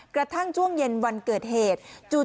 กระทั่งช่วงเย็นวันเกิดเหตุ